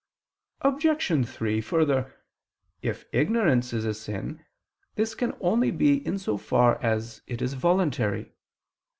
Obj. 3: Further, if ignorance is a sin, this can only be in so far as it is voluntary.